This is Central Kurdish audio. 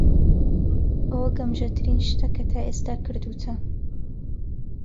ئەوە گەمژەترین شتە کە تا ئێستا کردووتە.